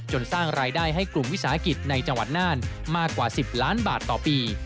สร้างรายได้ให้กลุ่มวิสาหกิจในจังหวัดน่านมากกว่า๑๐ล้านบาทต่อปี